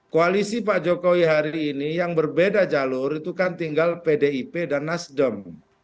koalisi pak jokowi hari ini yang berbeda jalur itu kan tinggal pdip dan nasdem